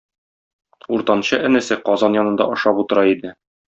Уртанчы энесе казан янында ашап утыра иде.